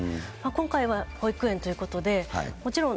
今回は保育園ということで、もちろん、